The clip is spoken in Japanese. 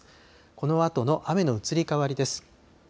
このあとの雨の移り変わりです。